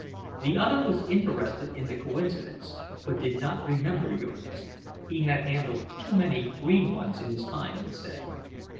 The other was interested in the coincidence, but did not remember Jurgis—he had handled too many "green ones" in his time, he said.